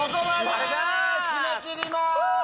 締め切ります。